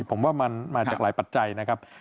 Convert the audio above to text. ผมว่ามันมาจากหลายปัจจัยนะครับ